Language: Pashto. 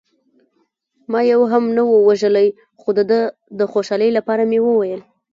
ما یو هم نه و وژلی، خو د ده د خوشحالۍ لپاره مې وویل.